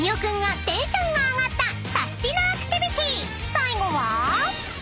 ［最後は］